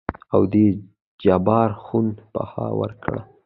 او دې جبار خون بها ورکړه.